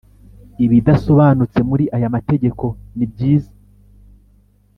Ibidasobanutse muri aya mategeko nibyiza.